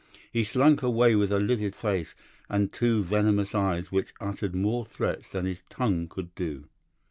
He slunk away with a livid face and two venomous eyes which uttered more threats than his tongue could do.